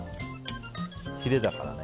ヒレだからね。